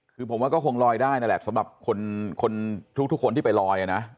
คือผมว่าก็คงลอยได้นั่นแหละสำหรับคนทุกคนที่ไปลอยนะ